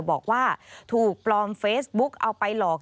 บอกว่าถูกปลอมเฟซบุ๊กเอาไปหลอก